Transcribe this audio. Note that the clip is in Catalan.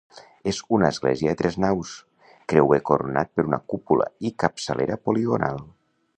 És una església de tres naus, creuer coronat per una cúpula i capçalera poligonal.